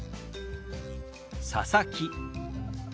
「佐々木」。